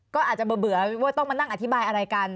ก็อาจจะเบื่อว่าต้องมานั่งอธิบายอะไรกัน